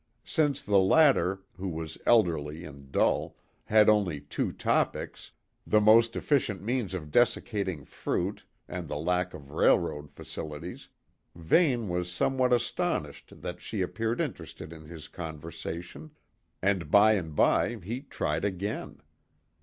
Since the latter, who was elderly and dull, had only two topics the most efficient means of desiccating fruit and the lack of railroad facilities Vane was somewhat astonished that she appeared interested in his conversation, and by and by he tried again.